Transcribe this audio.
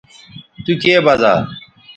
تو کے بزا